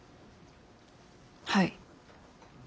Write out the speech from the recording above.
はい。